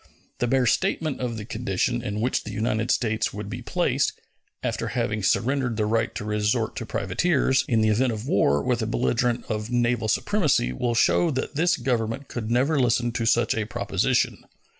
The bare statement of the condition in which the United States would be placed, after having surrendered the right to resort to privateers, in the event of war with a belligerent of naval supremacy will show that this Government could never listen to such a proposition.